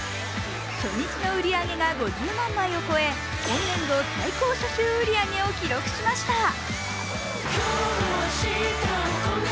初日の売り上げが５０万枚を超え今年度最高初週売り上げを記録しました。